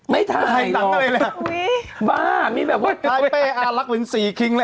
ไม่ถ่ายหนังอะไรแหละอุ้ยบ้านี่แบบว่าถ่ายเป้อารักเป็นสี่คริงแล้ว